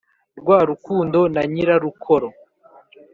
rwa rukundo na nyirarukoro,